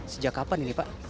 sejak kapan ini pak